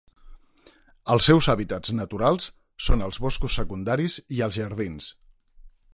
Els seus hàbitats naturals són els boscos secundaris i els jardins.